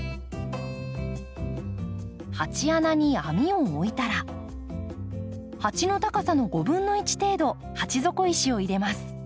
鉢穴に網を置いたら鉢の高さの５分の１程度鉢底石を入れます。